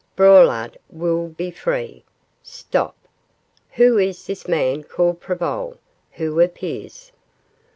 Braulard will be free. Stop! who is this man called Prevol, who appears?